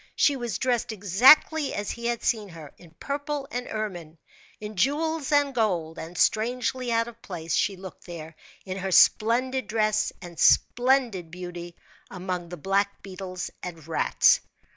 She was dressed exactly as he had seen her, in purple and ermine, in jewels and gold; and strangely out of place she looked there, in her splendid dress and splendid beauty, among the black beetles and rats.